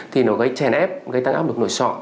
thì nó gây chèn ép gây tăng áp lực nổi sọ